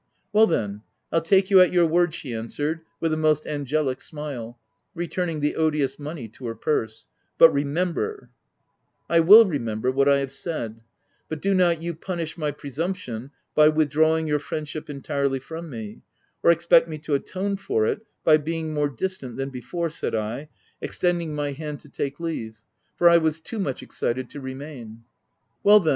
* Well then I'll take you at your word/' she answered with a most angelic smile, returning the odious money to her purse —" but remember /"" I will remember — what I have said ;— but do not you punish my presumption by withdrawing your friendship entirely from me, — or expect me to atone for it by being more distant than before," said I, extending my hand to take leave, for I was too much excited to remain. " Well then